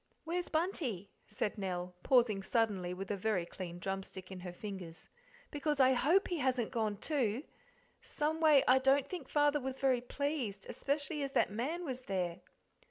"Where's Bunty?", said Nell, pausing suddenly with a very clean drumstick in her fingers, "because I HOPE he hasn't gone too; someway I don't think Father was very pleased, especially as that man was there."